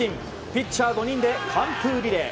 ピッチャー５人で完封リレー。